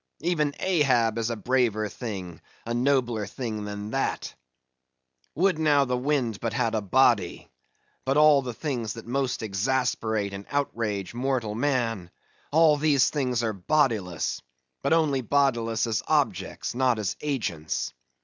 Even Ahab is a braver thing—a nobler thing than that. Would now the wind but had a body; but all the things that most exasperate and outrage mortal man, all these things are bodiless, but only bodiless as objects, not as agents.